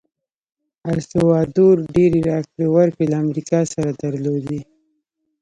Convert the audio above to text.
السلوادور ډېرې راکړې ورکړې له امریکا سره درلودې.